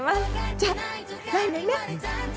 じゃあ来年ね。